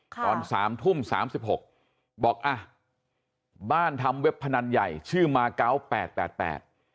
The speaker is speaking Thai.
ตอน๓ทุ่ม๓๖บอกบ้านทำเว็บพนันใหญ่ชื่อมาก้าวแปดแปดแปด